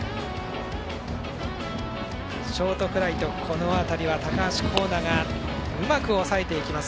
ショートフライトこの当たりは高橋光成がうまく抑えていきます。